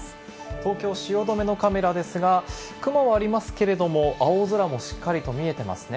東京・汐留のカメラですが、雲はありますけれども、青空もしっかりと見えてますね。